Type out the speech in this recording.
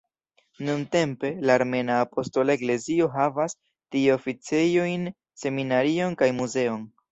Nuntempe, la Armena Apostola Eklezio havas tie oficejojn, seminarion kaj muzeon.